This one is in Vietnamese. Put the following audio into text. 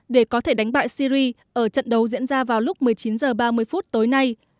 để có thể đánh bại syri ở trận đấu diễn ra vào lúc một mươi chín h ba mươi phút tối nay